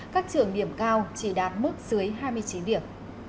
các trường điểm cao chỉ đạt mức dưới hai mươi chín điểm